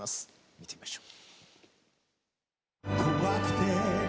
見てみましょう。